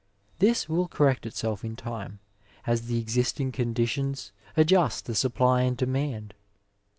This will correct itself in time, as tke existing conditions adjust the supply and demand.